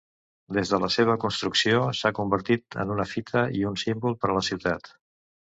Des de la seva construcció, s'ha convertit en una fita i un símbol per a la ciutat.